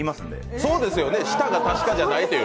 そうですよね、舌が確かじゃないという。